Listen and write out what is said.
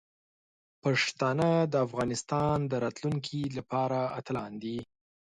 پښتانه د افغانستان د راتلونکي لپاره اتلان دي.